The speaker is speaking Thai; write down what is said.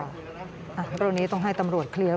เรื่องนี้ต้องให้ตำรวจเคลียร์